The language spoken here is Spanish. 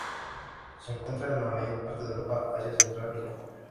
Se encuentra en la mayor parte de Europa, Asia Central y Japón.